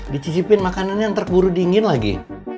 dicicipin makanannya ntar keburu dingin lagi